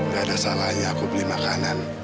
gak ada salahnya aku beli makanan